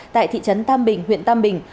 tại thị trấn tam bình huyện tam bình